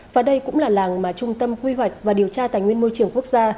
và đây cũng là làng mà trung tâm quy hoạch và điều tra tài nguyên môi trường quốc gia